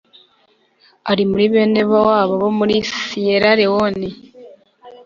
ari muri bene wabo bo muri Siyera Lewone